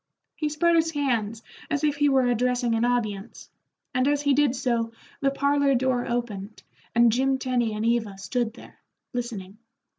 He spread his hands as if he were addressing an audience, and as he did so the parlor door opened and Jim Tenny and Eva stood there, listening.